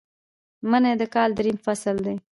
منی د کال دریم فصل دی